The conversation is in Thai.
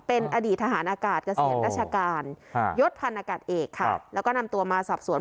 เป็นอดีตทหารอากาศเกษตรรัชการหยศพนกรรต์เอกแล้วก็นำตัวมาสับส่วน